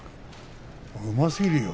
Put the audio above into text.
うますぎるよ